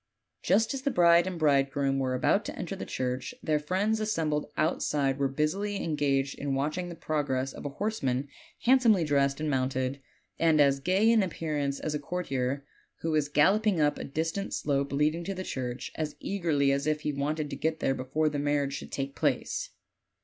Just as the bride and bride groom were about to enter the church, their friends as sembled outside were busily engaged in watching the progress of a horseman handsomely dressed and mounted, and as gay in appearance as a courtier, who was gallop ing up a distant slope leading to the church, as eagerly as if he wanted to get there before the marriage should take place.